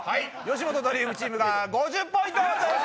吉本ドリームチームが５０ポイント。